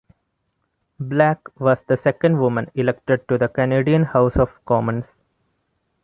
Black was the second woman elected to the Canadian House of Commons.